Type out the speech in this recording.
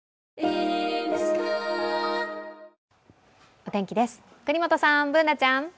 お天気です、國本さん、Ｂｏｏｎａちゃん。